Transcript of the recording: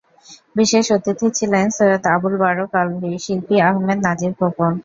বিশেষ অতিথি ছিলেন সৈয়দ আবুল বারক আলভী, শিল্পী আহমেদ নাজির খোকন।